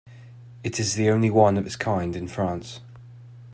It is the only one of its kind in France.